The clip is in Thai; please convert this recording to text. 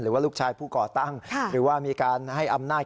หรือว่าลูกชายผู้ก่อตั้งหรือว่ามีการให้อำนาจ